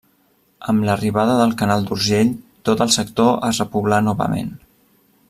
Amb l'arribada del canal d'Urgell tot el sector es repoblà novament.